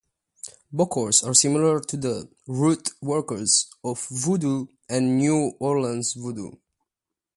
Bokors are similar to the "root workers" of Vodou and New Orleans voodoo.